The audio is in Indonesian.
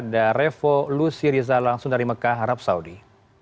da revolusi riza langsung dari mekah arab saudi